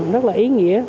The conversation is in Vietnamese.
rất là ý nghĩa